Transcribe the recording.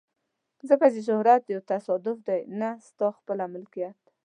ځکه چې شهرت یو تصادف دی نه ستا خپله ملکیت.